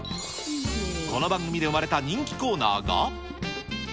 この番組で生まれた人気コーナーが。